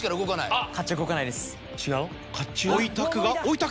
あっ！